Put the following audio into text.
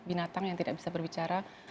binatang yang tidak bisa berbicara